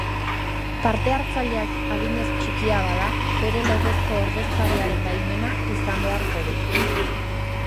Parte-hartzailea adinez txikia bada, bere legezko ordezkariaren baimena izan beharko du.